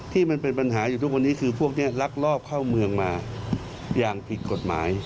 ที่มันเป็นปัญหาอยู่ทุกวันนี้คือพวกนี้ลักลอบเข้าเมืองมาอย่างผิดกฎหมาย